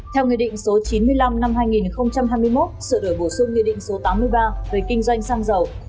theo nghị định số chín mươi năm năm hai nghìn hai mươi một sửa đổi bổ sung nghị định số tám mươi ba về kinh doanh xăng dầu